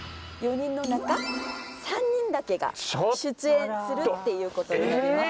４人の中３人だけが出演するっていうことになります。